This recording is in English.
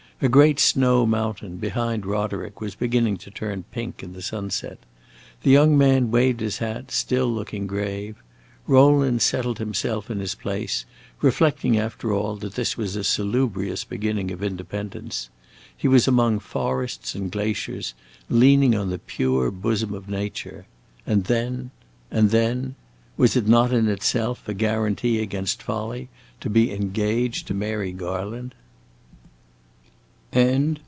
A great snow mountain, behind Roderick, was beginning to turn pink in the sunset. The young man waved his hat, still looking grave. Rowland settled himself in his place, reflecting after all that this was a salubrious beginning of independence. He was among forests and glaciers, leaning on the pure bosom of nature. And then and then was it not in itself a guarantee against folly to be engaged to Mary Garland?